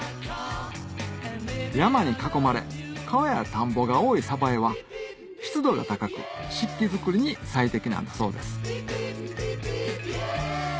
山に囲まれ川や田んぼが多い鯖江は湿度が高く漆器作りに最適なんだそうです